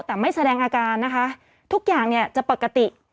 แต่ไม่แสดงอาการนะคะทุกอย่างเนี่ยจะปกติ